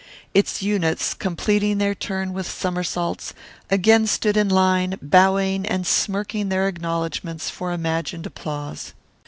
Its units, completing their turn with somersaults, again stood in line, bowing and smirking their acknowledgments for imagined applause.